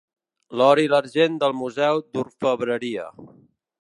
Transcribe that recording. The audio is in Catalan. L'or i l'argent del Museu d'Orfebreria.